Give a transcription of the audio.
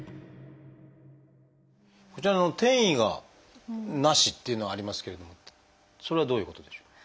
こちら転移がなしっていうのがありますけれどもそれはどういうことでしょう？